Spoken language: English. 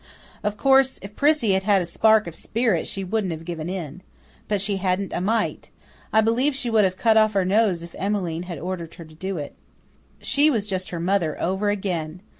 Of course, if Prissy had had a spark of spirit she wouldn't have given in. But she hadn't a mite; I believe she would have cut off her nose if Emmeline had ordered her to do it. She was just her mother over again.